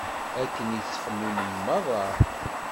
Akken i ttxemmimen meṛṛa.